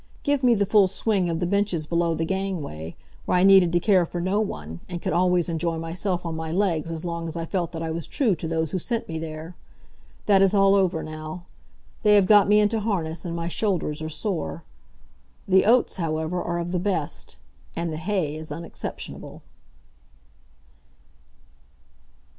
Give me the full swing of the benches below the gangway, where I needed to care for no one, and could always enjoy myself on my legs as long as I felt that I was true to those who sent me there! That is all over now. They have got me into harness, and my shoulders are sore. The oats, however, are of the best, and the hay is unexceptionable."